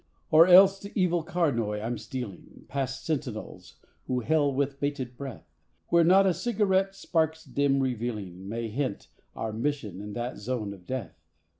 Or else to evil Carnoy I am stealing, Past sentinels who hail with bated breath; Where not a cigarette spark's dim revealing May hint our mission in that zone of death.